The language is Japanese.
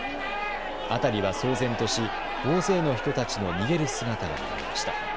辺りは騒然とし、大勢の人たちの逃げる姿が見られました。